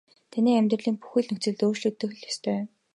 Таны амьдралын бүхий л нөхцөл өөрчлөгдөх л ёстой.